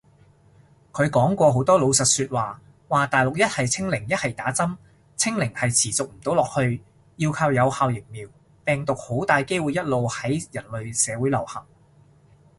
佢講過好多老實說話，話大陸一係清零一係打針，清零係持續唔到落去，要靠有效疫苗，病毒好大機會一路喺人類社會流行